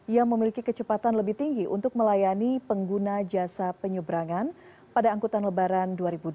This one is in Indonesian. yang memiliki kecepatan lebih tinggi untuk melayani pengguna jasa penyeberangan pada angkutan lebaran dua ribu dua puluh